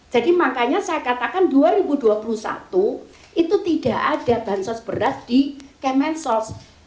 jadi makanya saya katakan dua ribu dua puluh satu itu tidak ada bahan sos beras di kemensos